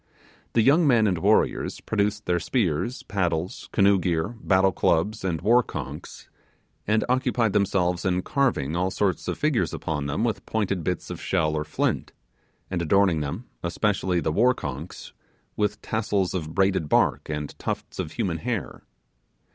The young men and warriors produced their spears, paddles, canoe gear, battle clubs, and war conchs, and occupied themselves in carving, all sorts of figures upon them with pointed bits of shell or flint, and adorning them, especially the war conchs, with tassels of braided bark and tufts of human hair.